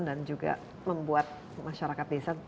juga membuat masyarakat desa